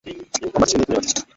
আমার ছেলে এখানে আছে!